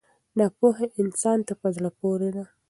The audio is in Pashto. دا پوهه انسان ته په زړه پورې ده.